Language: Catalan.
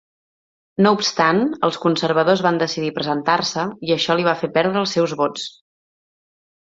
No obstant, els conservadors van decidir presentar-se i això li va fer perdre els seus vots.